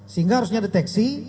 sehingga harusnya deteksi